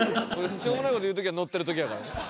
「しょうもない事言う時はのってる時やからね」